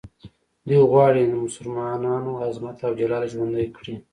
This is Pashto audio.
دوی غواړي د مسلمانانو عظمت او جلال ژوندی کړي.